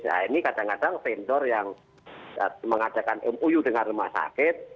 nah ini kadang kadang vendor yang mengadakan mou dengan rumah sakit